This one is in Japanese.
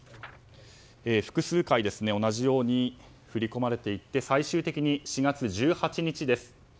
複数回、同じように振り込まれていって最終的に４月１８日です